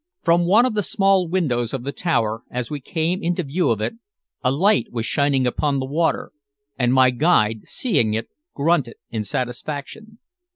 From one of the small windows of the tower, as we came into view of it, a light was shining upon the water, and my guide seeing it, grunted in satisfaction.